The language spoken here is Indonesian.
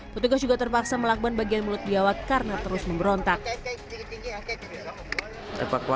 petugas juga terpaksa melakban bagian mulut biawat karena terus memberontak